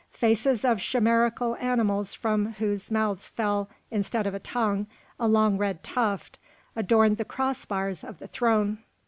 Faces of chimerical animals from whose mouths fell, instead of a tongue, a long red tuft, adorned the crossbars of the throne.